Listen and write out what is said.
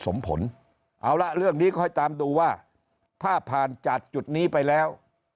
สมผลเอาละเรื่องนี้ค่อยตามดูว่าถ้าผ่านจากจุดนี้ไปแล้ว